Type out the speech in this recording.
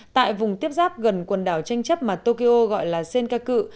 tại vùng tiếp giáp gần quần đảo tranh chấp mà tokyo gọi là senka